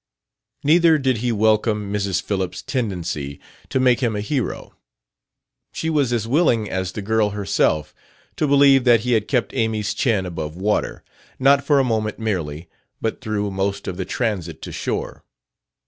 Neither did he welcome Mrs. Phillips' tendency to make him a hero. She was as willing as the girl herself to believe that he had kept Amy's chin above water not for a moment merely, but through most of the transit to shore.